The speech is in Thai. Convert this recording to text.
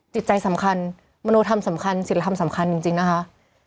จิตใจสำคัญมโนธรรมสำคัญศิลธรรมสำคัญจริงนะคะ